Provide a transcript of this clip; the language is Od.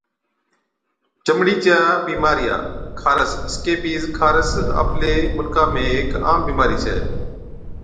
چمڙي چِيا عام بِيمارِيا، خارس Scabies خارس آپلي مُلڪا ۾ هيڪ عام بِيمارِي ڇَي